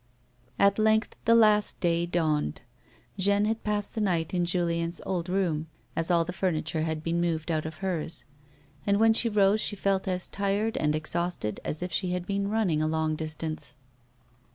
At length the last day dawned. Jeanne had passed the night in Julien's old room, as all the furniture had been moved out of hers, and when she rose she felt as tired and exhausted as if she had just been running a long distance.